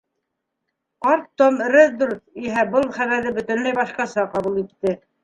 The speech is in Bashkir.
Ҡарт Том Редрут иһә был хәбәрҙе бөтөнләй башҡаса ҡабул итте.